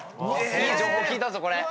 いい情報聞いたぞこれ。